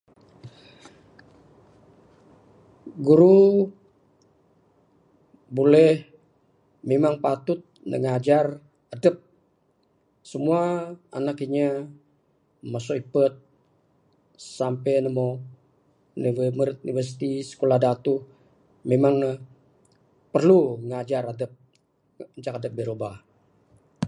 Guru buleh memang patut ne ngajar adep. Simua anak inya masu ipet sampey ne mo neg meret universiti sikulah datuh memang ne perlu ngajar adep ngancak adep birubah.